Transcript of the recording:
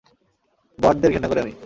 বটদের ঘেন্না করি আমি!